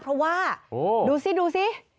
เพราะว่าดูสิ